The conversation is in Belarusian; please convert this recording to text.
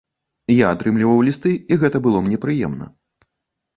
Я атрымліваў лісты, і гэта было мне прыемна.